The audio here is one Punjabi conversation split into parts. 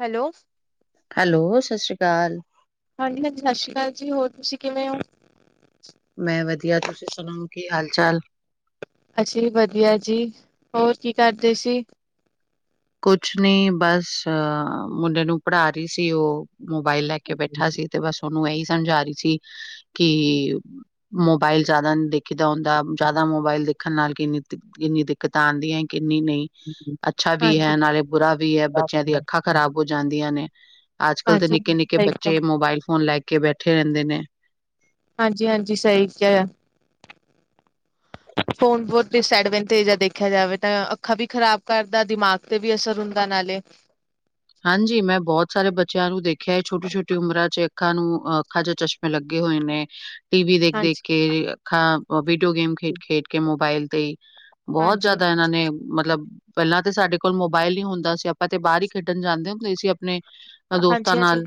ਹੈਲੋ ਹੈਲੋ ਸਤਿ ਸ਼੍ਰੀ ਅਕਾਲ ਹਾਂਜੀ ਹਾਂਜੀ ਸਤਿ ਸ਼੍ਰੀ ਅਕਾਲ ਜੀ ਹੋਰ ਤੁਸੀਂ ਕਿਵੇਂ ਹੋ? ਮੈਂ ਵਧੀਆ ਤੁਸੀਂ ਸੁਣਾਓ ਕੀ ਹਾਲ ਚਾਲ ਅਸੀਂ ਵਧੀਆ ਜੀ ਹੋਰ ਕੀ ਕਰਦੇ ਸੀ? ਕੁਛ ਨਹੀਂ ਬਸ ਮੁੰਡੇ ਨੂੰ ਪੜ੍ਹਾ ਰਹੀ ਸੀ ਉਹ ਮੋਬਾਇਲ ਲੈ ਕੇ ਕੇ ਬੈਠਾ ਸੀ ਤੇ ਬਸ ਉਹਨੂੰ ਇਹੀ ਸਮਣਾ ਰਹੀ ਸੀ ਕਿ ਮੋਬਾਇਲ ਜਿਆਦਾ ਨ ਦੇਖਦਾ ਹੁੰਦਾ ਜ਼ਿਆਦਾ ਮੋਬਾਇਲ ਦੇਖਣ ਨਾਲ ਕਿੰਨੀ ਕਿੰਨੀ ਕਿਤਾਨ ਦੀਆਂ ਹੀ ਕਿੰਨੀ ਨਹੀਂ। ਅੱਛਾ ਠੀਕ ਵੀ ਹੈ ਨਾਲੇ ਬੁਰਾ ਵੀ ਹੈ ਬੱਚਿਆਂ ਦੀਆਂ ਅੱਖਾਂ ਖ਼ਰਾਬ ਹੋ ਜਾਂਦੀਆਂ ਨੇ ਅੱਜ ਕਲ੍ਹ ਦੇ ਹਾਂਜੀ ਨਿੱਕੇ ਨਿੱਕੇ ਸਹੀ ਕਿਹਾ। ਬੱਚੇ ਮੋਬਾਇਲ ਫੋਨ ਲੈ ਕੇ ਬੈਠੇ ਰਹਿੰਦੇ ਨੇ ਹਾਂਜੀ ਹਾਂਜੀ ਸਹੀ ਕਿਹਾ ਆ। ਫੋਣ ਬਹੁਤ ਡਿਸਐਡਵਾਂਟੇਜ ਆ ਦੇਖਿਆ ਜਾਵੇ ਤਾਂ ਅੱਖਾਂ ਵੀ ਖ਼ਰਾਬ ਕਰਦਾ ਦਿਮਾਗ ਤੇ ਵੀ ਅਸਰ ਹੁੰਦਾ ਨਾਲੇ ਹਾਂਜੀ ਮੈਂ ਬਹੁਤ ਸਾਰੇ ਬੱਚਿਆਂ ਨੂੰ ਦੇਖਿਆ ਛੋਟੀ ਛੋਟੀ ਉਮਰਾਂ ਚ ਅੱਖਾਂ ਨੂੰ ਅਹ ਅੱਖਾਂ ਚ ਚਸ਼ਮੇ ਲੱਗੇ ਹੋਏ ਨੇ ਟੀ ਵੀ ਦੇਖ ਦੇਖ ਹਾਂਜੀ ਕੇਾ ਵੀਡੀਓ ਗੇਮ ਖੇਡ ਖੇਡ ਕੇ ਮੋਬਾਈਲ ਤੇ ਹੀ। ਹਾਂ ਬਹੁਤ ਜ਼ਿਆਦਾ ਇਹਨਾਂ ਨੇ ਮਤਲਬ ਪਹਿਲਾਂ ਤਾਂ ਸਾਡੇ ਕੋਲ ਮੋਬਾਇਲ ਨਹੀਂ ਹੁੰਦਾ ਸੀ ਆਪਾਂ ਤੇ ਬਾਹਰ ਖੇਡਣ ਜਾਂਦੇ ਹੋ, ਤੇ ਅਸੀਂ ਆਪਣੇ ਅ ਦੋਸਤਾਂ ਹਾਂਜੀ ਹਾਂਜੀ ਨਾਲ,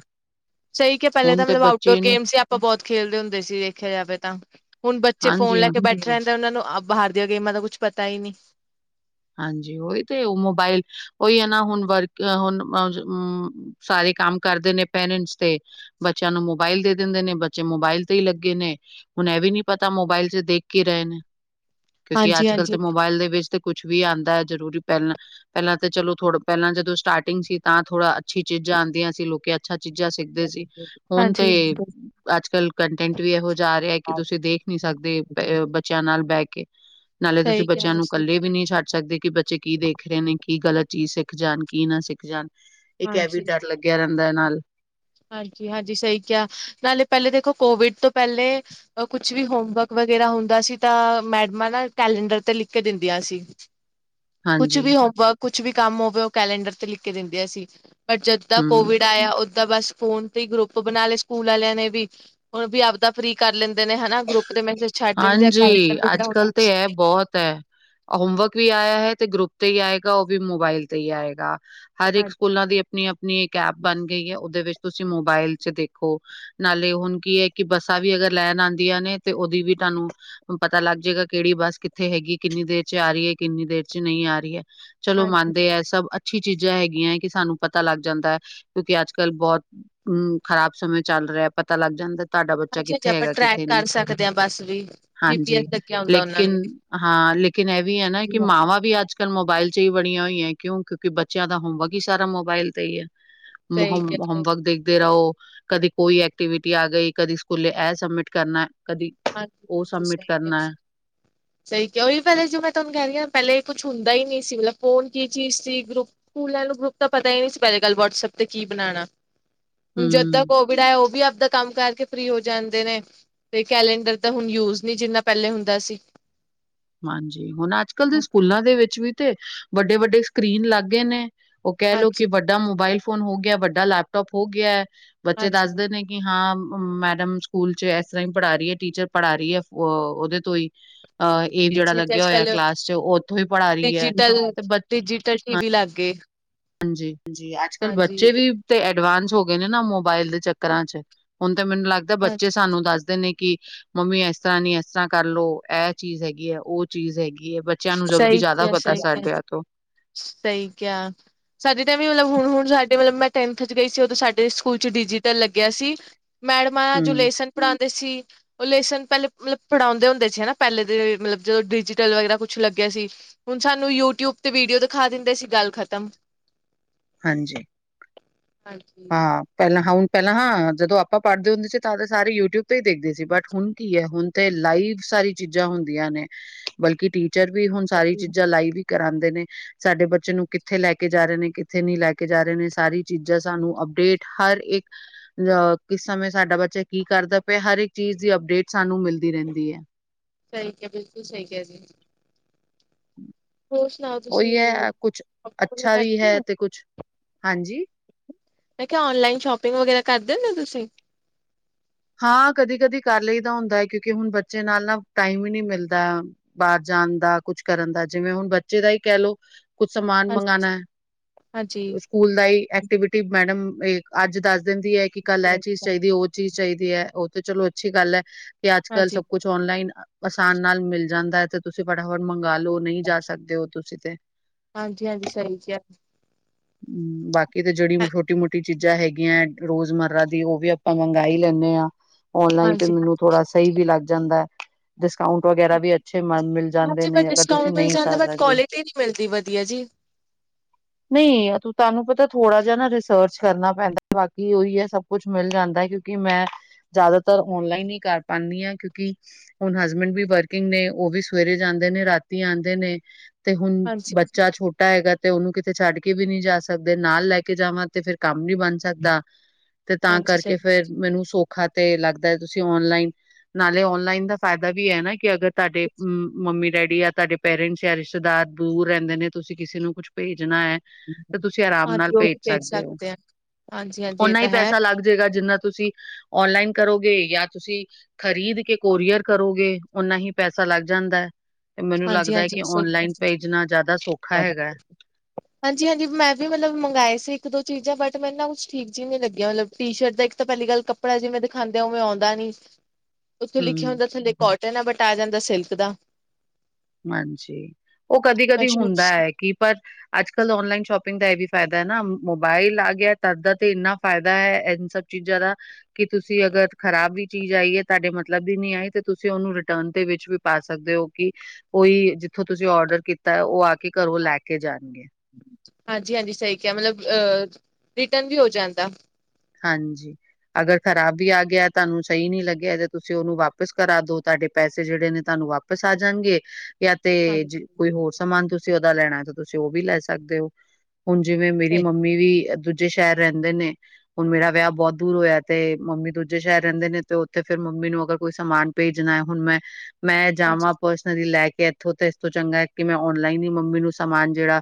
ਸਹੀ ਕਿਯਾ, ਪਹਿਲੇ ਹੁਣ ਤਾਂ ਤੇ ਮਤਲਬ ਆਊਟਡੋਰ ਬੱਚੇ ਨੇ ਗੇਮਸ ਹੀ ਆਪਾਂ ਬਹੁਤ ਖੇਡਦੇ ਹੁੰਦੇ ਸੀ, ਦੇਖਿਆ ਜਾਵੇ ਤਾਂ ਹੁਣ ਬੱਚੇ ਫੋਨ ਹਾਂਜੀ। ਲੈ ਕੇ ਬੈਠੇ ਰਹਦੇ, ਉਹਨਾਂ ਨੂੰ ਬਾਹਰ ਦੀਆਂ ਗੇਮਾਂ ਦਾ ਕੁਛ ਪਤਾ ਹੀ ਨਹੀਂ ਹਾਂਜੀ ਉਹੀ ਤੇ ਉਹ ਮੋਬਾਇਲ ਉਹੀ ਹੈ ਨਾ ਹੁਣ ਵਰਕ ਹੁਣ ਸਾਰੇ ਕੰਮ ਕਰਦੇ ਨੇ ਪੇਰੈਂਟਸ ਤੇ ਬੱਚਿਆਂ ਨੂੰ ਮੋਬਾਇਲ ਦੇ ਦਿੰਦੇ ਨੇ, ਬੱਚੇ ਮੋਬਾਇਲ ਤੇ ਹੀ ਲੱਗੇ ਨੇ ਹੁਣ ਇਹ ਵੀ ਨੀ ਪਤਾ ਮੋਬਾਇਲ ਚ ਦੇਖ ਹੀ ਰਹੇ ਨੇ, ਕਿਉਂਕਿ ਹਾਂਜੀ ਅੱਜ ਕੱਲ ਹਾਂਜੀ ਤੇ ਮੋਬਾਇਲ ਦੇ ਵਿੱਚ ਤੇ ਕੁਛ ਵੀ ਆਉਂਦਾ ਹੈ, ਜ਼ਰੂਰੀ ਪਹਿਲਾਂ ਪਹਿਲਾਂ ਤਾਂ ਚਲੋ ਥੋ ਪਹਿਲਾਂ ਜਦੋਂ ਸਟਾਰਟਿੰਗ ਸੀ, ਤਾਂ ਥੋੜਾ ਅੱਛੀ ਚੀਜ਼ਾਂ ਆਉਂਦੀਆਂ ਸੀ ਲੋਕ ਅੱਛਾ ਚੀਜ਼ਾਂ ਸਿੱਖਦੇ ਸੀ, ਹੁਣ ਤੇ ਹਾਂਜੀ ਅੱਜ ਕੱਲ ਕੰਟੈਂਟ ਵੀ ਇਹੋ ਜਾ ਰਿਹਾ ਕਿ ਤੁਸੀਂ ਦੇਖ ਨੀ ਸਕਦੇ ਬ ਬੱਚਿਆਂ ਨਾਲ ਬਹਿ ਕੇ, ਨਾਲੇ ਤੁਸੀਂ ਸਹੀ ਬੱਚਿਆਂ ਕਿਹਾ ਨੂੰ ਸਹੀ ਇਕੱਲੇ ਕਿਹਾ। ਵੀ ਨਹੀਂ ਛੱਡ ਸਕਦੇ, ਕਿ ਬੱਚੇ ਕੀ ਦੇਖ ਰਹੇ ਨੇ, ਕੀ ਗਲਤ ਚੀਜ਼ ਸਿੱਖ ਜਾਣ, ਕੀ ਨਾ ਸਿੱਖ ਜਾਣ ਇਕ ਇਹ ਵੀ ਡਰ ਲੱਗਿਆ ਰਹਿੰਦਾ ਹੈ ਨਾਲ ਹਾਂਜੀ ਹਾਂਜੀ, ਸਹੀ ਕਿਹਾ ਨਾਲੇ ਪਹਿਲੇ ਦੇਖੋ ਕੋਵਿਡ ਤੋਂ ਪਹਿਲੇ ਕੁਛ ਵੀ ਹੋਮਵਰਕ ਵਗੈਰਾ ਹੁੰਦਾ ਸੀ, ਤਾਂ ਮੈਡਮਾਂ ਨਾ ਕੈਲੰਡਰ ਤੇ ਲਿਖ ਕੇ ਦਿੰਦੀਆਂ ਸੀ ਕੁਛ ਹਾਂਜੀ, ਵੀ ਹੋਮਵਰਕ, ਕੁਛ ਵੀ ਕੰਮ ਹੋਵੇ ਉਹ ਕੈਲੰਡਰ ਤੇ ਲਿਖ ਕੇ ਦੇਦਿਆਂ ਸੀਂ ਪਰ ਜਦ ਦਾ ਹੂੰ। ਕੋਵਿਡ ਆਇਆ ਓਦਾਂ ਬਸ ਫੋਨ ਤੇ ਹੀ ਗਰੁੱਪ ਬਣਾ ਲਏ ਸਕੂਲ ਵਾਲਿਆਂ ਨੇ ਵੀ, ਹੁਣ ਵੀ ਆਪ ਫਰੀ ਕਰ ਲੈਂਦੇ ਨੇ ਹੈਨਾ, ਗਰੁੱਪ ਦੇ, ਮੈ ਕੇਹਾ ਫਿਰ ਛੱਡ ਦਿੰਦੇ ਆ ਕਾਲਜ ਬਹੁਤ ਹੈ ਹੋਮਵਰਕ ਵੀ ਆਇਆ ਹੈ ਤੇ ਗਰੁੱਪ ਤੇ ਹੀ ਆਏਗਾ, ਉਹ ਵੀ ਮੋਬਾਇਲ ਤੇ ਹੀ ਆਏਗਾ ਹਰ ਇੱਕ ਹਾਂਜੀ ਸਕੂਲਾਂ ਦੀ ਆਪਣੀ ਆਪਣੀ ਇੱਕ ਐਪ ਬਣ ਗਈ ਹੈ, ਉਹਦੇ ਵਿੱਚ ਤੁਸੀਂ ਮੋਬਾਇਲ ਚ ਦੇਖੋ ਨਾਲੇ ਹੁਣ ਕੀ ਹੈ, ਕਿ ਬੱਸਾਂ ਵੀ ਅਗਰ ਲੈਣ ਆਉਂਦੀਆਂ ਨੇ ਤੇ ਉਹਦੀ ਵੀ ਤੁਹਾਨੂੰ ਪਤਾ ਲੱਗ ਜਾਏਗਾ, ਕਿਹੜੀ ਬੱਸ ਕਿੱਥੇ ਹੈਗੀ ਕਿੰਨੀ ਦੇਰ ਚ ਆ ਰਹੀ ਹੈ, ਕਿੰਨੀ ਦੇਰ ਚ ਨਹੀਂ ਆ ਰਹੀ ਹੈ ਚਲੋ ਹਾਂਜੀ ਮੰਨਦੇ ਹੈ ਸਭ ਅੱਛੀ ਚੀਜ਼ਾਂ ਹੈਗੀਆਂ, ਕਿ ਸਾਨੂੰ ਪਤਾ ਲੱਗ ਜਾਂਦਾ ਹੈ, ਕਿਉਂਕਿ ਅੱਜ ਕੱਲ ਬਹੁਤ ਹੂ ਖ਼ਰਾਬ ਸਮੇਂ ਚੱਲ ਰਿਹਾ ਹੈ, ਪਤਾ ਲੱਗ ਜਾਂਦਾ ਤੁਹਾਡਾ ਬੱਚਾ ਕਿੱਥੇ ਹਾਂਜੀ ਆਪਾਂ ਹੈਗਾ ਕਿਥ ਟਰੈਕ ਕਰ ਨੀ, ਸਕਦੇ ਹਾਂ ਬਸ ਵੀ ਜੀ ਪੀ ਹਾਂਜੀ ਐਸ ਲੱਗਿਆ ਹੁੰਦਾ ਉਹਨਾਂ ਲੇਕਿਨ ਨੂੰ ਵੀ ਹਾਂ ਲ ਲੇਕਿਨ ਏ ਵੀ ਹੈ ਨਾ, ਕਿ ਮਾਵਾਂ ਵੀ ਅੱਜ ਅੱਜ ਕੱਲ ਮੋਬਾਇਲ ਚ ਹੀ ਬੜੀਆਂ ਹੋਈਆਂ ਐ, ਕਿਉਂ ਕਿਉਂਕਿ ਬੱਚਿਆਂ ਦਾ ਹੋਮਵਰਕ ਹੀ ਸਾਰਾ ਮੋਬਾਇਲ ਤੇ ਹੀ ਹੈ ਮ ਸਹੀ ਹਾਂਜੀ-ਹਾਂਜੀ ਹੋਮਵਰਕ ਦੇਖਦੇ ਰਹੋ, ਕਦੀ ਕੋਈ ਐਕਟੀਵਿਟੀ ਆ ਗਈ, ਕਦੀ ਸਕੂਲੇ ਐ ਸਬਮਿਟ ਕਰਨਾ ਕਦੀ ਹਾਂਜੀ ਉਹ ਹਾਂਜੀ ਸਬਮਿਟ ਸਹੀ ਕੇਹਾ ਤੁਸੀ [unintelligible] ਸਹੀ ਕਿਹਾ, ਉਹੀ ਪਹਿਲੇ ਜੋ ਮੈਂ ਤੁਹਾਨੂੰ ਕਹਿ ਰਹੀ ਹ ਪਹਿਲੇ ਇਹ ਕੁਛ ਹੁੰਦਾ ਹੀ ਨਹੀਂ ਸੀ, ਮਤਲਬ ਫੌਣ ਕੀ ਚੀਜ਼ ਸੀ, ਗਰੁਪ ਸਕੂਲਾਂ ਨੂੰ ਗਰੁੱਪ ਤਾਂ ਪਤਾ ਹੀ ਨਹੀਂ ਸੀ, ਪਹਿਲੇ ਗੱਲ ਵਟਸਐਪ ਤੇ ਕੀ ਬਣਾਉਣਾ ਹੁਣ, ਜਦਾਂ ਹੂੰ। ਕੋਵਿਡ ਆਇਆ। ਉਹ ਵੀ ਆਪਣਾ ਕੰਮ ਕਰਕੇ ਫਰੀ ਹੋ ਜਾਂਦੇ ਨੇ। ਕੈਲਂਡਰ ਤਾਂ ਹੁਣ ਯੂਜ ਨਹੀਂ, ਜਿੰਨਾ ਪਹਿਲੇ ਹੁੰਦਾ ਸੀ ਹਾਂਜੀ, ਹੁਣ ਅੱਜ ਕੱਲ੍ਹ ਦੇ ਸਕੂਲਾਂ ਦੇ ਵਿੱਚ ਵੀ ਤੇ ਵੱਡੇ ਵੱਡੇ ਸਕਰੀਨ ਲੱਗ ਗਏ ਨੇ ਉਹ ਕਹਿ ਲੋੋ ਹਾਂਜੀ ਕਿ ਵੱਡਾ ਮੋਬਾਇਲ ਫੋਨ ਹੋ ਗਿਆ, ਵੱਡਾ ਲੈਪਟੋਪ ਹੋ ਗਿਆ, ਬੱਚੇ ਹਾਂਜੀ ਦੱਸਦੇ ਨੇ ਕਿ ਹਾਂ ਮੈਡਮ ਸਕੂਲ ਚ ਇਸ ਤਰ੍ਹਾਂ ਹੀ ਪੜ੍ਹਾ ਰਹੀ ਹੈ, ਟੀਚਰ ਪੜ੍ਹਾ ਰਹੀ ਹੈ, ਉਹਦੇ ਤੋਂ ਹੀ ਅਹ ਏ ਜਿਹੜਾ ਹਾਂਜੀ ਹਾਂਜੀ ਲੱਗਿਆ ਅੱਜ ਹੋਇਆ ਕੱਲ ਕਲਾਸ ਚ, ਉਹ ਉੱਥੋਂ ਹੀ ਪੜ੍ਹਾ ਰਹੀ ਹੈ ਤੇ ਡਿਜਿਟਲ ਵੀ ਲੱਗ ਗਏ ਹਾਂਜੀ ਹਾਂਜੀ, ਅੱਜ ਕੱਲ੍ਹ ਹਾਂਜੀ ਬੱਚੇ ਵੀ ਤੇ ਐਡਵਾਂਸ ਹੋ ਗਏ ਨੇ ਨਾ ਮੋਬਾਇਲ ਦੇ ਚੱਕਰਾਂ ਚ, ਹੁਣ ਤੇ ਮੈਨੂੰ ਲੱਗਦਾ ਬੱਚੇ ਹਾਂਜੀ ਸਾਨੂੰ ਦੱਸਦੇ ਨੇ ਕਿ, ਮੰਮੀ ਇਸ ਤਰ੍ਹਾਂ ਨੀ ਇਸ ਤਰ੍ਹਾਂ ਕਰਲੋ, ਇਹ ਚੀਜ਼ ਹੈਗੀ ਹੈ, ਉਹ ਚੀਜ਼ ਹੈਗੀ ਐ, ਬੱਚਿਆਂ ਨੂੰ ਜਦਕਿ ਸਹੀ ਜ਼ਿਆਦਾ ਕਿਹਾ ਪਤਾ ਸਾ ਡਿਆਂ ਤੋਂ ਸਹੀ ਕਿਹਾ, ਸਾਡੀੇ ਤਾਂ ਵੀ ਮਤਲਬ ਹੁਣ ਹੁਣ ਸਾਡੇ ਵਲੋਂ, ਮਤਲਬ ਮੈਂ ਟੈਂਥ ਚ ਗਈ ਸੀ ਉਦੋਂ ਸਾਡੇ ਸਕੂਲ ਚ ਡਿਜੀਟਲ ਲੱਗਿਆ ਸੀ, ਮੈਡਮਾਂ ਜੋ ਹੂੰ, ਲੈਸਨ ਪੜਾਉਂਦੇ ਸੀ, ਉਹ ਲੇਸਨ ਪਹਿਲੇ ਮਤਲਬ ਪੜ੍ਹਾਉਦੇੁੰਦੇ ਸੀ ਨਾ ਪਹਿਲੇ ਦੇ ਮਤਲਬ ਜਦੋਂ ਡਿਜੀਟਲ ਵਗੈਰਾ ਕੁ ਕੁੱਛ ਲੱਗਿਆ ਸੀ ਹੁਣ ਸਾਨੂੰ ਯੂਟਿਊਬ ਤੇ ਵੀਡੀਓ ਦਿਖਾ ਦਿੰਦੇ ਸੀ ਗੱਲ ਖ਼ਤਮ। ਹਾਂਜੀ ਹਾਂਜੀ ਹਾਂ ਪਹਿਲਾਂ ਹਾਂ ਹੁਣ ਪਹਿਲਾਂ ਹਾਂ ਜਦੋਂ ਆਪਾਂ ਪੜ੍ਹਦੇ ਹੁੰਦੇ ਸੀ ਤਾਂ ਸਾਰੇ ਯੂਟਿਊਬ ਤੇ ਹੀ ਦੇਖਦੇ ਸੀ ਬਟ ਹੁਣ ਕੀ ਹੈ ਹੁਣ। ਤੇ ਲਾਈਵ ਸਾਰੀ ਚੀਜ਼ਾਂ ਹੁੰਦੀਆਂ ਨੇ ਬਲਕਿ ਟੀਚਰ ਵੀ ਹੁਣ ਸਾਰੀ ਚੀਜ਼ਾਂ ਲਾਈਵ। ਕਰਾਉਂਦੇ ਨੇ ਸਾਡੇ ਬੱਚੇ ਨੂੰ ਕਿੱਥੇ ਲੈ ਕੇ ਜਾ ਰਹੇ ਨੇ ਕਿੱਥੇ ਨਹੀਂ ਲੈ ਕੇ ਜਾ ਰਹੇ ਨੇ ਸਾਰੀ ਚੀਜ਼ਾਂ। ਸਾਨੂੰ ਅਪਡੇਟ ਹਰ ਇੱਕ। ਅ ਕਿਸ ਸਮੇਂ ਸਾਡਾ ਬੱਚਾ ਕੀ ਕਰਦਾ ਪਿਆ ਹਰ ਇੱਕ ਚੀਜ਼ ਦੀ ਅਪਡੇਟ ਸਾਨੂੰ ਮਿਲਦੀ ਰਹਿੰਦੀ ਹੈ। ਸਹੀ ਕਿਹਾ ਬਿਲਕੁਲ ਸਹੀ ਕਿਹਾ ਜੀ। ਹੋਰ ਸੁਣਾਓ ਤੁਸੀਂ ਉਹੀ ਹੈ, ਕੁਛ ਸ਼ੋਪਿੰਗ ਵਗੈਰਾ ਅੱਛਾ ਵੀ ਕਰਦੇ ਹੁੰਦੇ ਹੈ ਹੋ ਤੇ, ਕੁਛ ਹਾਂਜੀ? ਮੈਂ ਕਿਹਾ ਔਨਲਾਈਨ ਸ਼ੋਪਿੰਗ ਵਗੈਰਾ ਕਰਦੇ ਹੁੰਦੇ ਹੋ ਤੁਸੀਂ? ਹਾਂ ਕਦੀ ਕਦੀ ਕਰ ਲਈ ਤਾਂ ਹੁੰਦਾ ਹੈ ਕਿਉਂਕਿ ਹੁਣ ਬੱਚੇ ਨਾਲ ਨਾ ਟਾਈਮ ਹੀ ਨਹੀਂ ਮਿਲਦਾ। ਬਾਹਰ ਜਾਣ ਦਾ ਕੁਛ ਕਰਨ ਦਾ ਜਿਵੇਂ ਹੁਣ ਬੱਚੇ ਦਾ ਹੀ ਕਹਿ ਲਓ। ਕੁਛ ਸਾਮਾਨ ਮੰਗਾਨਾ ਹਾਂਜੀ-ਹਾਂਜੀ, ਹੈ। ਸਕੂਲ ਦਾ ਹੀ ਐਕਟੀਵਿਟੀ ਮੈਡਮ ਅੱਜ ਦੱਸ ਦਿੰਦੀ ਹੈ ਕਿ ਕੱਲ ਇਹ ਚੀਜ਼ ਚਾਹੀਦੀ ਹੈ। ਉਹ ਚੀਜ਼ ਚਾਹੀਦੀ ਹੈ ਉਹ ਤੇ ਚਲੋ ਅੱਛੀ ਗੱਲ ਹੈ ਕਿ ਅੱਜ ਕੱਲ ਹਾਂਜੀ-ਹਾਂਜੀ, ਸਭ ਕੁਛ ਔਨਲਾਈਨ। ਆਸਾਨ ਨਾਲ ਮਿਲ ਜਾਂਦਾ ਹੈ ਤੇ ਤੁਸੀਂ ਫਟਾਫਟ ਮੰਗ ਲਓ ਨਹੀਂ ਜਾ ਸਕਦੇ ਹੋ ਤੁਸੀਂ ਤੇ। ਹਾਂਜੀ ਹਾਂਜੀ ਸਹੀ ਕਿਹਾ। ਬਾਕੀ ਤੇ ਜਿਹੜੀ ਛੋਟੀ ਮੋਟੀ ਚੀਜ਼ਾਂ ਹੈਗੀਆਂ ਰੋਜ਼ ਮਰਰਾ ਦੀ ਉਹ ਵੀ ਆਪਾਂ ਮੰਗ। ਲ ਹੀ ਲੈਂਦੇ ਆ ਓਨਲਾਈਨ ਤੇ ਹਾਂਜੀ। ਮੈਨੂੰ ਥੋੜਾ ਸਹੀ ਵੀ ਲੱਗ ਜਾਂਦਾ ਹੈ। ਡਿਸਕਾਊਂਟ ਵਗੈਰਾ ਵੀ ਅੱਛੇ ਮਿਲ ਜਾਂਦੇ ਹਾਂਜੀ ਬਟ ਨੇ ਅਗਰ ਤੁਸੀਂ ਡਿਸਕਾਊਂਟ ਮਿਲ ਨਹੀਂ ਜਾਂਦਾ ਜਾ ਬਟ ਸਕਦੇ। ਕੁਆਲਿਟੀ ਨਹੀਂ ਮਿਲਦੀ ਵਧੀਆ ਜੀ ਨਹੀਂ ਤੁਹਾਨੂੰ ਪਤਾ ਥੋੜ੍ਹਾ ਜਿਹਾ ਨਾ ਰਿਸਰਚ ਕਰਨਾ ਪੈਂਦਾ। ਬਾਕੀ ਉਹੀ ਹੈ ਸਭ ਕੁੱਛ ਮਿਲ ਜਾਂਦਾ। ਕਿਉਂਕ ਕਿ ਮੈਂ ਜਿਆਦਾਤਰ ਔਨਲਾਈਨ ਹੀ ਕਰ ਪਾਉਂਦੀ ਹਾਂ ਕਿਉਂਕਿ। ਹੁਣ ਹਸਬੈਂਡ ਵੀ ਵਰਕਿੰਗ ਨੇ ਉਹ ਵੀ ਸਵੇਰੇ ਜਾਂਦੇ ਨੇ ਰਾਤੀ ਆਉਂਦੇ ਨੇ। ਤੇ ਹੁਣ ਹਾਂਜੀ ਬੱਚਾ ਛੋਟਾ। ਛੋਟਾ ਹੈਗਾ ਤੇ ਉਹਨੂੰ ਕਿਤੇ ਛੱਡ ਕੇ ਵੀ ਨਹੀਂ ਜਾ ਸਕਦੇ ਨਾਲ ਲੈ ਕੇ ਜਾਵਾਂ ਤੇ ਫੇਰ ਕੰਮ ਨੀ ਬਣ। ਸਕਦਾ ਤੇ ਤਾਂ ਹਾਂਜੀ ਸਹੀ ਕਰਕੇ। ਤੇ ਫ ਮੈਨੂੰ ਸੌਖਾ ਤੇ ਲੱਗਦਾ ਤੁਸੀਂ ਔਨਲਾਈਨ ਨਾਲੇ ਔਨਲਾਈਨ ਦਾ ਫਾਇਦਾ ਵੀ ਹੈ ਨਾ ਕਿ ਅਗਰ। ਤੁਹਾਡੇ ਹੂੰ। ਮੰਮੀ ਡੈਡੀ ਆ ਤੁਹਾਡੇ ਪੇਰੈਂਟਸ ਜਾਂ ਰਿਸ਼ਤੇਦਾਰ ਦੂਰ ਰਹਿੰਦੇ ਨੇ। ਤੁਸੀਂ ਕਿਸੇ ਨੂੰ ਕੁਛ ਭੇਜਣਾ ਹੈ। ਤੇ ਤੁਸੀਂ ਆਰਾਮ ਨਾਲ ਹਾਂਜੀ ਉਹ ਭੇਜ ਵੀ ਸਕਦੇ ਹੋ ਆ ਹਾਂਜੀ ਹਾਂਜੀ ਇਹ ਓਨਾ ਹੀ ਤਾਂ ਹੈ ਪੈਸਾ ਲੱਗ ਜਾਏਗਾ ਜਿੰਨਾ। ਤੁਸੀਂ ਔਨਲਾਈਨ ਕਰੋਗੇ ਜਾਂ ਤੁਸੀਂ। ਖ਼ਰੀਦ ਕੇ ਕੋਰੀਅਰ ਕਰੋਗੇ ਓਨਾ ਹੀ ਪੈਸਾ ਲੱਗ ਜਾਂਦਾ ਹੈ ਤੇ ਮੈਨੂੰ ਹਾਂਜੀ ਲੱਗਦਾ ਹੈ ਹਾਂਜੀ ਕਿ ਸਹੀ ਹੈ। ਔਨਲਾਈਨ ਭੇਜਣਾ ਜ਼ਿਆਦਾ ਸੌਖਾ ਹੈਗਾ। ਹਾਂਜੀ ਹਾਂਜੀ ਮੈਂ ਵੀ ਮਤਲਬ ਮੰਗਵਾਏ ਸੀ ਇੱਕ ਦੋ ਚੀਜ਼ਾਂ ਬਟ ਮੈਨੂੰ ਨਾ ਕੁਛ ਠੀਕ ਜਿਹੀਆਂ ਵੀ ਨਹੀਂ ਲੱਗੀਆਂ ਮਤਲਬ। ਟੀ ਸ਼ਰਟ ਇੱਕ ਪਹਿਲੀ ਗੱਲ ਕੱਪੜਾ ਜਿਵੇਂ ਦਿਖਾਉਂਦੇ ਓਵੇਂ ਆਉਂਦਾ ਨਹੀਂ। ਹ ਉੱਥੇ ਲਿਖਿਆ ਹੁੰਦਾ ਥੱਲੇ ਕੋਟਨ ਆ ਬਟਾਇਆ ਜਾਂਦਾ ਸਿਲਕ ਦਾ। ਹਾਂਜੀ, ਉਹ ਕਦੀ ਮੈਂ ਕਦੀ ਹੁੰਦਾ ਸ਼ੂਜ਼, ਹੈ ਕਿ ਪਰ। ਅੱਜ ਕੱਲ੍ਹ ਔਨਲਾਈਨ ਸ਼ੋਪਿੰਗ ਦਾ ਇਹ ਵੀ ਫਾਇਦਾ ਹੈ ਨਾ ਮੋਬਾਇਲ ਆ ਗਿਆ ਤਦ ਤੇ ਇੰਨਾ ਫਾਇਦਾ ਹੈ। ਚੀਜ਼ਾਂ ਦਾ। ਕਿ ਤੁਸੀਂ ਅਗਰ ਖ਼ਰਾਬ ਵੀ ਚੀਜ਼ ਆਈ ਹੈ ਤੁਹਾਡੇ ਮਤਲਬ ਦੀ ਨੀ ਆਈ ਤੇ ਤੁਸੀਂ ਉਹਨੂੰ ਰਿਟਰਨ ਦੇ ਵਿੱਚ ਵੀ ਪਾ ਸਕਦੇ ਹੋ। ਕਿ ਉਹੀ ਜਿੱਥੋਂ ਤੁਸੀਂ ਔਡਰ ਕੀਤਾ ਉਹ ਆ ਕੇ ਘਰੋਂ ਲੈ ਕੇ ਜਾਣਗੇ। ਹਾਂਜੀ, ਹਾਂਜੀ ਸਹੀ ਕਿਹਾ ਮਤਲਬ ਰਿਟਰਨ ਵੀ ਹੋ ਜਾਂਦਾ। ਹਾਂਜੀ। ਅਗਰ ਖ਼ਰਾਬ ਵੀ ਆ ਗਿਆ ਤੁਹਾਨੂੰ ਸਹੀ ਨੀ ਲੱਗਿਆ ਤੇ ਤੁਸੀਂ ਉਹਨੂੰ ਵਾਪਿਸ ਕਰਾ ਦੋ ਤੁਹਾਡੇ ਪੈਸੇ ਜਿਹੜੇ ਨੇ ਤੁਹਾਨੂੰ ਵਾਪਸ। ਵਾਪਸ ਆ ਜਾਣਗੇ। ਜਾਂ ਤੇ ਹਾਂਜੀ ਕੋਈ ਹੋਰ ਸਮਾਨ ਤੁਸੀਂ ਉਹਦਾ ਲੈਣਾ ਤਾਂ ਤੁਸੀਂ ਉਹ ਵੀ ਲੈ ਸਕਦੇ ਹੋ। ਹੁਣ ਜਿਵੇਂ ਮੇਰੀ ਸਹੀ ਮੰਮੀ ਵੀ ਦੂਜੇ ਸ਼ਹਿਰ ਰਹਿੰਦੇ ਨੇ, ਹੁਣ ਮੇਰਾ ਵਿਆਹ ਬਹੁਤ ਦੂਰ ਹੋਇਆ, ਤੇ ਮੰਮੀ ਦੂਜੇ ਸ਼ਹਿਰ ਰਹਿੰਦੇ ਨੇ, ਤੇ ਉੱਥੇ ਫਿਰ ਮੰਮੀ ਨੂੰ ਅਗਰ ਕੋਈ ਸਮਾਨ ਭੇਜਣਾ ਹੈ, ਹੁਣ ਮੈਂ ਮੈਂ ਜਾਵਾਂ ਹਾਂਜੀ ਪਰਸ ਦੀ ਲੈ ਕੇ ਇਥੋਂ ਤਾਂ ਇਸ ਤੋਂ ਚੰਗਾ, ਕਿ ਮੈਂ ਔਨਲਾਈਨ ਹੀ ਮੰਮੀ ਨੂੰ ਸਮਾਨ ਜਿਹੜਾ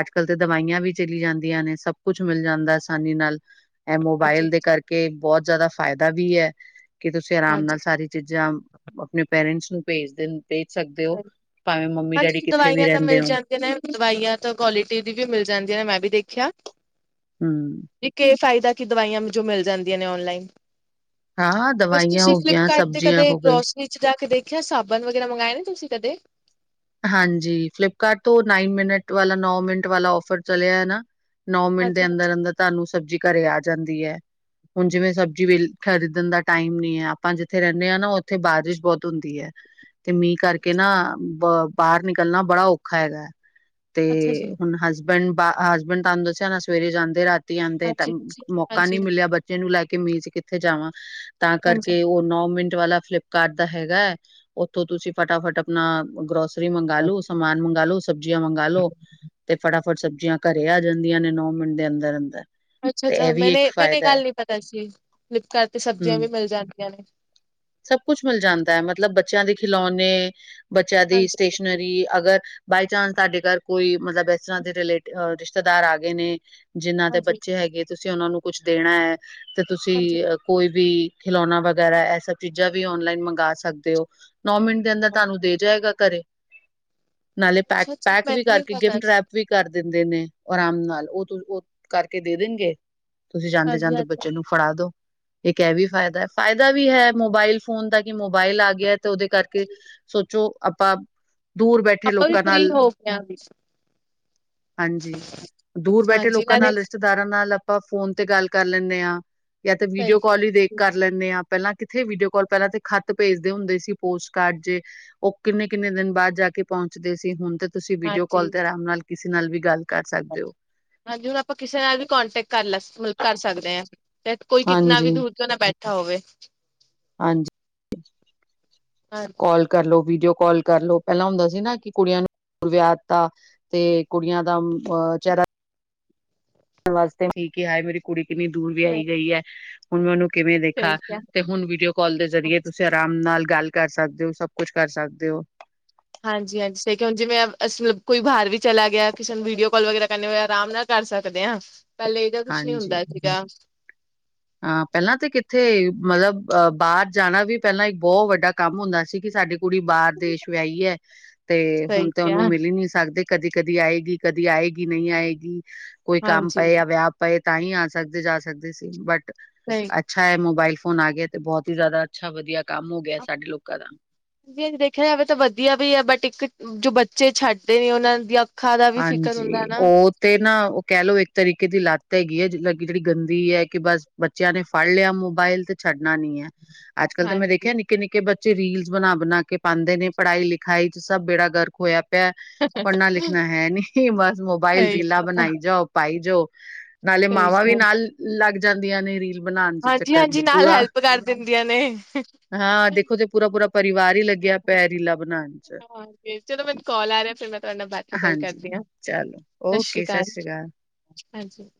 ਅੱਜ-ਕੱਲ੍ਹ ਤਾਂ ਦਵਾਈਆਂ ਵੀ ਚਲੀ ਜਾਂਦੀਆਂ ਨੇ ਸਭ ਕੁਛ ਮਿਲ ਜਾਂਦਾ ਆਸਾਨੀ ਨਾਲ ਇਹ ਮੋਬਾਇਲ ਹਾਂਜੀ ਦੇ ਕਰਕੇ ਬਹੁਤ ਜ਼ਿਆਦਾ ਫਾਇਦਾ ਵੀ ਹੈ, ਕਿ ਤੁਸੀਂ ਆਰਾਮ ਨਾਲ ਹਾਂਜੀ ਸਾਰੀ ਚੀਜ਼ਾਂ ਆਪਣੇ ਪੇਰੈਂਟਸ ਨੂੰ ਭੇਜਦੇ ਭੇਜ ਸਕਦੇ ਹੋ, ਸਹੀ ਭਾਵੇਂ ਮੰਮੀ ਡੈਡੀ ਹਾਂਜੀ ਕਿੱਥੇ ਵੀ ਦਵਾਈਆਂ ਤਾਂ ਰਹਿੰਦੇ ਮਿਲ ਹੋ। ਜਾਂਦੀਆਂ ਦਵਾਈਆਂ ਤਾਂ ਕੁਆਲਿਟੀ ਦੀ ਵੀ ਮਿਲ ਜਾਂਦੀਆਂ ਨੇ ਮੈਂ ਵੀ ਦੇਖਿਆ। ਹੂੰ, ਫਾਇਦਾ ਕਿ, ਦਵਾਈਆਂ ਜੋ ਮਿਲ ਜਾਂਦੀਆਂ ਨੇ ਔਨਲਾਈਨ ਬਸ ਤੁਸੀਂ ਫਲਿੱਪਕਾਰਟ ਤੇ ਕਦੇ ਗੋਸ ਜਾ ਕੇ ਦੇਖਿਆ, ਸਾਬਣ ਵਗੈਰਾ ਮੰਗਵਾਏ ਨੇ ਤੁਸੀਂ ਕਦੇ, ਹਾਂਜੀ, ਫਲਿਪਕਾਰਟ ਤੋਂ ਨਾਈਨ ਮਿੰਟ ਵਾਲਾ ਨੋ ਮਿੰਟ ਵਾਲਾ ਔਫਰ ਚਲਿਆ ਨਾ, ਨੌਂ ਮਿੰਟ ਦੇ ਹਾਂਜੀ ਅੰਦਰ ਹਾਂਜੀ ਅੰਦਰ ਤੁਹਾਨੂੰ ਸਬਜ਼ੀ ਘਰੇ ਆ ਜਾਂਦੀ ਹੈ। ਹੁਣ ਜਿਵੇਂ ਸਬਜ਼ੀੇ ਖਰੀਦਣ ਦਾ ਟਾਈਮ ਨੀ ਹੈ, ਆਪਾਂ ਜਿੱਥੇ ਰਹਿੰਦੇ ਹਾਂ ਨਾ ਉੱਥੇ ਬਾਰਿਸ਼ ਬਹੁਤ ਹੁੰਦੀ ਹੈ। ਤੇ ਮੀਂਹ ਕਰਕੇ ਨਾ ਬ ਬਾਹਰ ਨਿਕਲਣਾ ਬੜਾ ਔਖਾ ਹੈਗਾ, ਤੇ ਅੱਛਾ ਜੀ ਹੁਣ ਹਸ ਪੈਨ ਪਾ ਹਸਬੈਂਡ ਤੁਹਾਨੂੰ ਦੱਸਿਆ, ਨਾ ਸਵੇਰੇ ਜਾਂਦੇ ਰਾਤੀ ਆਉਂਦੇ ਹਾਂਜੀ ਹਾਂਜੀ ਮੌਕਾ ਨੀ ਹਾਂਜੀ ਹਾਂਜੀ। ਮਿਲਿਆ। ਇਹਨੂੰ ਲੈ ਕੇ ਮੀਂਹ ਕਿੱਥੇ ਜਾਵਾਂ, ਤਾਂ ਹਾਂਜੀ। ਕਰਕੇ ਉਹ ਨੌ ਮਿੰਟ ਵਾਲਾ ਫਲਿੱਪ ਕਾਡ ਤਾ ਹੈਗਾ, ਉੱਥੋਂ ਤੁਸੀਂ ਫਟਾਫਟ ਆਪਣਾ ਗਰੋਸਰੀ ਮੰਗਾਲੋ ਸਮਾਨ ਮੰਗਾਲੋ। ਸਬਜ਼ੀਆਂ ਮੰਗਾਲੋ ਤੇ ਫਟਾਫਟ ਸਬਜ਼ੀਆਂ ਘਰੇ ਆ ਜਾਂਦੀਆਂ ਨੇ ਨੌ ਮਿੰਟ ਦੇ ਅੰਦਰ-ਅੰਦਰ। ਅੱਛਾ-ਅੱਛਾ ਮੈਨੇ ਮੈਨੇ ਗੱਲ ਨੀ ਪਤਾ ਸੀ, ਫਲਿੱਪਕਾਰਟ ਤੇ ਸਬਜ਼ੀਆਂ ਹਮ ਵੀ ਮਿਲ ਜਾਂਦੀਆਂ ਨੇ। ਸਭ ਕੁਛ ਮਿਲ ਜਾਂਦਾ ਹੈ ਮਤਲਬ ਬੱਚਿਆਂ ਦੇ ਖਿਲੌਣੇ, ਬੱਚਿਆਂ ਦੀ ਹਾਂਜੀ ਸਟੇਸ਼ਨ ਕਿ ਅਗਰ ਬਾਈਚਾਂਸ ਤਾਡੇ ਘਰ ਕੋਈ ਮਤਲਬ ਇਸ ਤਰ੍ਹਾਂ ਦੇ ਰਿਲੇ ਰਿਸ਼ਤੇਦਾਰ ਆ ਗਏ ਨੇ ਜਿੰਨਾਂ ਦੇ ਹਾਂਜੀ ਬੱਚੇ ਹੈਗੇ, ਤੁਸੀਂ ਉਨਾਂ ਨੂੰ ਕੁਛ ਦੇਣਾ ਹੈ ਤੇ ਤੁਸੀਂ ਹਾਂਜੀ। ਅ ਕੋਈ ਵੀ ਖਿਲੌਣਾ ਵਗੈਰਾ, ਇਹ ਸਭ ਚੀਜ਼ਾਂ ਵੀ ਔਨਲਾਈਨ ਮੰਗਾ ਸਕਦੇ ਹੋ। ਨੌ ਮਿੰਟ ਦੇ ਅੰਦਰ ਤਾਨੂੰ ਦੇ ਜਾਏਗਾ, ਘਰੇ ਨਾਲੇ ਪੈਕ ਅੱਛਾ ਅੱਛਾ ਪੈਕ ਵੀ ਮੈਨੂੰ ਨੀ ਕਰਕੇ ਪਤਾ ਗਿਫਟ ਸੀ ਰੈਪ ਵੀ ਕਰ ਦਿੰਦੇ ਨੇ ਆਰਾਮ ਨਾਲ ਉਹ ਉਹ ਕਰਕੇ ਦੇ ਦੇਣਗੇ। ਤੁਸੀਂ ਜਾਂਦੇ ਹਾਂਜੀ ਜਾਂਦੇ ਹਾਂਜੀ। ਬੱਚੇ ਨੂੰ ਫੜਾ ਦੋ ਇੱਕ ਐ ਵੀ ਫਾਇਦਾ, ਫਾਇਦਾ ਵੀ ਹੈ ਮੋਬਾਇਲ ਫੋਨ ਦਾ ਕਿ ਮੋਬਾਇਲ ਆ ਗਿਆ, ਤੇ ਉਹਦੇ ਕਰਕੇ ਸੋਚੋ ਆਪਾਂ ਦੂਰ ਬੈਠੇ ਆਪਾਂ ਵੀ ਲੋਕਾ ਫ੍ਰਰੀ ਨਾਲ ਹੋ ਗਏ ਆ ਹਾਂਜੀ, ਦੂਰ ਬੈਠੇ ਹਾਂਜੀ ਲੋਕਾਂ ਨਾਲੇ ਨਾਲ, ਰਿਸ਼ਤੇਦਾਰਾਂ ਨਾਲ ਆਪਾਂ ਫੋਨ ਤੇ ਗੱਲ ਕਰ ਲੈਣੇ, ਹਾਂ ਯਾ ਤੇ ਸਹੀ ਵੀਡੀਓ ਕਾਲ ਕਿਹਾ ਹੀ ਦੇਖ ਕਰ ਲੈਣੇ ਹਾਂ ਪਹਿਲਾਂ ਕਿੱਥੇ ਵੀਡੀਓ ਕੋਲ ਪਹਿਲਾਂ ਤੇ ਖੱਤ ਭੇਜਦੇ ਹੁੰਦੇ ਸੀ, ਪੋਸਟ ਕਾਰਡ ਜੇ ਉਹ ਕਿੰਨੇ-ਕਿੰਨੇ ਦਿਨ ਬਾਅਦ ਜਾ ਕੇ ਪਹੁੰਚਦੇ ਸੀ ਹੁਣ ਤੇ ਤੁਸੀਂ ਵੀਡੀਓ ਕੋਲ ਹਾਂਜੀ। ਤੇ ਆਰਾਮ ਨਾਲ ਕਿਸੇ ਨਾਲ ਵੀ ਗੱਲ ਕਰ ਸਕਦੇ ਹੋ ਹਾਂਜੀ ਹੁਣ ਆਪਾਂ ਕਿਸੇ ਨਾਲ ਵੀ ਕੋਂਟੈਕਟ ਕਰ-ਕਰ ਸਕਦੇ ਹਾਂ ਤੇ ਕੋਈ ਕਿਤਨਾ ਵੀ ਹਾਂਜੀ ਦੂਰ ਕਿਉਂ ਨਾ ਬੈਠਾ, ਬੈਠਾ ਹੋਵੇ, ਹਾਂਜੀ, [unintelligible] ਕੋਲ ਕਰਲੋ, ਵੀਡੀਓ ਕੋਲ ਕਰਲੋ, ਪਹਿਲਾਂ ਹੁੰਦਾ ਸੀ ਨਾ ਕਿ ਕੁੜੀਆਂ ਨੂੰ ਵਿਆਤਾ। ਤੇ ਕੁੜੀਆਂ ਦਾ ਅਹ ਚਿਹਰਾ ਵਾਸਤੇ ਸੀ ਕਿ ਹਾਏ ਮੇਰੀ ਕੁੜੀ ਕਿੰਨੀ ਦੂਰ ਵਹਾਈ ਗਈ ਹੈ। ਹੁਣ ਮੈਂ ਉਨੂੰ ਕਿਵੇਂ ਦੇਖਾ ਠੀਕ ਹੈ। ਤੇ ਹੁਣ ਵੀਡੀਓ ਕੋਲ ਦੇ ਜਰੀਏ ਤੁਸੀਂ ਰਾਮ ਨਾਲ ਗੱਲ ਕਰ ਸਕਦੇ ਹੋ, ਸਭ ਕੁਛ ਕਰ ਸਕਦੇ ਹੋ। ਹਾਂਜੀ-ਹਾਂਜੀ [unintelligible] ਹੁਣ ਜਿਵੇਂ ਅਸੀ ਕੋਈ ਬਾਹਰ ਵੀ ਚਲਾ ਗਿਆ, ਕਿਸੇ ਨੂੰ ਵੀਡੀਓ ਕਾਲ ਵਗੈਰਾ ਕਰਨੇ ਹੋਏਆ ਆਰਾਮ ਨਾਲ ਕਰ ਸਕਦੇ ਹਾਂ ਪਹਿਲੇ ਇਹਦਾ ਕੁਛ ਨੀ ਹਾਂਜੀ। ਹੁੰਦਾ ਸੀਗਾ। ਹਾਂ ਪਹਿਲਾਂ ਤਾਂ ਕਿੱਥੇ ਮਤਲਬ ਬਾਹਰ ਜਾਣਾ ਵੀ ਪਹਿਲਾਂ ਇਕ ਬਹੁਤ ਵੱਡਾ ਕੰਮ ਹੁੰਦਾ ਸੀ ਕਿ ਸਾਡੀ ਕੁੜੀ ਬਾਹਰ ਦੇਸ਼ ਵਿਆਹੀ ਹੈ ਤੇ ਸਹੀ ਹੁਣ ਤੇ ਉਹਨੂੰ ਕਿਹਾ ਮਿਲ ਹੀ ਨਹੀ ਸਕਦੇ ਕਦੀ-ਕਦੀ ਆਏਗੀ, ਕਦੀ ਆਏਗੀ ਨਹੀਂ ਆਏਗੀ। ਕੋਈ ਕੰਮ ਹਾਂਜੀ ਪਏ ਯਾ ਵਿਆਹ ਪਏ ਤਾਂ ਹੀ ਆ ਸਕਦੇ ਜਾ ਸਕਦੇ ਸੀ, ਬਟ ਸਹੀ ਅੱਛਾ ਹੈ, ਮੋਬਾਇਲ ਫੋਨ ਆ ਗਏ ਤੇ ਬਹੁਤ ਹੀ ਜ਼ਿਆਦਾ ਅੱਛਾ-ਵਧੀਆ ਕੰਮ ਹੋ ਗਿਆ ਸਾਡੇ ਲੋਕਾਂ ਦਾ ਦੇਖਿਆ ਜਾਵੇ ਤਾਂ ਵਧੀਆ ਵੀ ਹੈ ਬਟ ਇੱਕ ਜੋ ਬੱਚੇ ਛੱਡਦੇ ਨੇ ਉਹਨਾਂ ਦੀਆਂ ਅੱਖਾਂ ਦਾ ਵੀ ਫਿਕਰ ਹੁੰਦਾ ਹਾਂਜੀ ਨਾ ਉਹ ਤੇ ਨਾ ਉਹ ਕਹਿ ਲਓ ਇੱਕ ਤਰੀਕੇ ਦੀ ਲੱਤ ਹੈਗੀ ਹੈ ਜੇ ਲੱਗੀ ਜਿਹੜੀ ਗੰਦੀ ਹੈ ਕਿ ਬਸ ਬੱਚਿਆਂ ਨੇ ਫੜ ਲਿਆ ਮੋਬਾਇਲ ਤੇ ਛੱਡਣਾ ਨੀ ਹੈ, ਅੱਜ-ਕੱਲ ਤਾਂ ਮੈਂ ਹਾਂਜੀ ਦੇਖਿਆ ਨਿੱਕੇ-ਨਿੱਕੇ ਬ ਜੋ ਰੀਲਸ ਬਣਾ-ਬਣਾ ਕੇ ਪਾਂਦੇ ਨੇ ਪੜ੍ਹਾਈ ਲਿਖਾਈ 'ਚ ਸਬ ਬੇੜਾ ਗਰਕ ਹੋਇਆ ਪਿਐ, ਪੜ੍ਹਨਾ ਲਿਖ ਦੇਖਣਾ ਹੈ ਨੀ ਬਸ ਮੋਬਾਈਲ ਸਹੀ ਰੀਲਾਂ ਕਿਹਾ ਬਣਾਈ ਜਾਓ, ਪਾਈ ਜਾਓ ਨਾਲੇ ਸਹੀ ਮਾਵਾਂ ਵੀ ਕਿਹਾ ਨਾਲ ਲੱਗ ਜਾਂਦੀਆਂ ਨੇ ਰੀਲ ਬਣਾਣ ਚ ਚੱਕਰ ਚ ਪੂਰਾ। ਤੇ ਹਾਂ ਦੇਖੋ ਤੇ ਪੂਰਾ-ਪੂਰਾ ਪਰਿਵਾਰ ਹੀ ਲੱਗਿਆ ਪਿਆ ਰੀਲਾ ਬਣਾਣ ਚ। ਫ ਚਲੋ ਮੈਨੂੰ ਕੋਲ ਆ ਰਿਹਾ ਫਿਰ ਮੈਂ ਤੁਹਾਡੇ ਨਾਲ ਬਾਦ ਚੋਂ ਗੱਲ ਹਾਂਜੀ। ਕਰਦੀ ਹਾਂ। ਚਲੋ ਸਤਿ ਸ੍ਰੀ ਓਕੇ ਸਤਿ ਅਕਾਲ। ਹਾਂਜੀ।